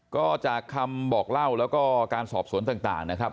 ก็จากคำบอกเล่าแล้วก็การสอบสวนต่างนะครับ